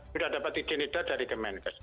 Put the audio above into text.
sudah dapat ijin edar dari gemen